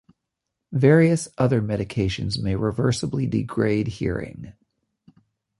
Various other medications may reversibly degrade hearing.